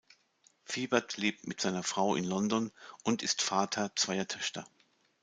Vibert lebt mit seiner Frau in London und ist Vater zweier Töchter.